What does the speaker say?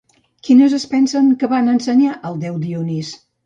Quines es pensen que van ensenyar al déu Dionís?